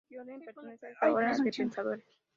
Cioran pertenece a esa raza de pensadores.